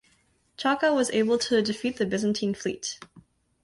Chaka was able to defeat the Byzantine fleet.